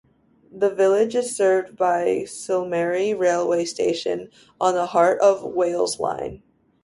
The village is served by Cilmeri railway station on the Heart of Wales Line.